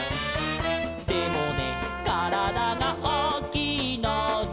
「でもねからだがおおきいので」